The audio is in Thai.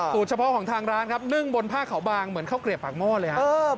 เฉพาะของทางร้านครับนึ่งบนผ้าขาวบางเหมือนข้าวเกลียบปากหม้อเลยครับ